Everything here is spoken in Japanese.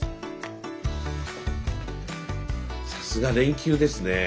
さすが連休ですねえ。